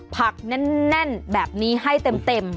ผักแน่นแบบนี้ให้เต็ม